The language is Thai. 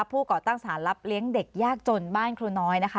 ก่อตั้งสารรับเลี้ยงเด็กยากจนบ้านครูน้อยนะคะ